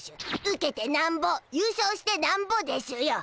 ウケてなんぼ優勝してなんぼでしゅよ。